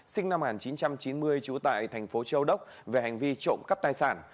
sinh năm một nghìn chín trăm chín mươi trú tại thành phố châu đốc về hành vi trộm cắp tài sản